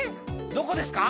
どこですか？